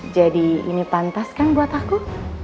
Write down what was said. jadi ini pantas kan buat aku